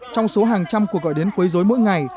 trong số hàng trăm cuộc gọi đến quấy dối mỗi ngày